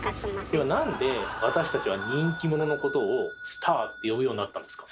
ではなんで私たちは人気者のことをスターって呼ぶようになったんですか？